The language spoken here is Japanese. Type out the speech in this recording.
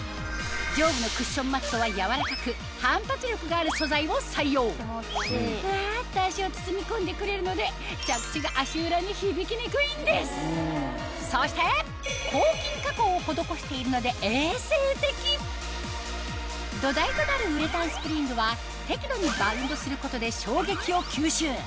上部のクッションマットはやわらかく反発力がある素材を採用ふわっと足を包み込んでくれるのでそして抗菌加工を施しているので衛生的土台となるウレタンスプリングは適度にバウンドすることで衝撃を吸収